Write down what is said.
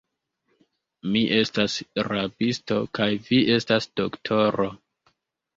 Mi estas rabisto, kaj vi estas doktoro.